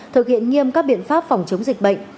thực hiện nghiêm các biện pháp phòng chống dịch bệnh